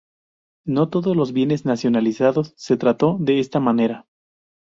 No todos los bienes nacionalizados se trató de esta manera.